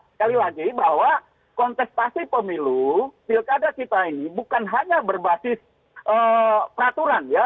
sekali lagi bahwa kontestasi pemilu pilkada kita ini bukan hanya berbasis peraturan ya